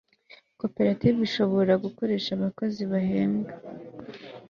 koperative ishobora gukoresha abakozi bahembwa